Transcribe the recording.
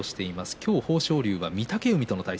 今日、豊昇龍は御嶽海との対戦。